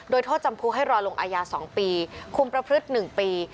โดยโทษจำคุกให้รอลงอาญา๒ปีคุมประพฤติ๑ปี